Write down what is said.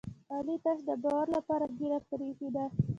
علي تش د باور لپاره ږېره پرې ایښې ده.